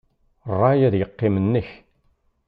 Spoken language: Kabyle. Ṛṛay ad yeqqim nnek.